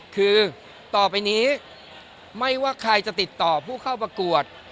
คือต่อไปนี้ไม่ว่าใครจะติดต่อผู้เข้าประกวด